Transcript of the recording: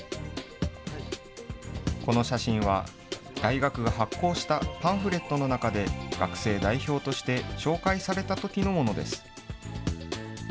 この写真は、大学が発行したパンフレットの中で学生代表として紹介されたときのものです。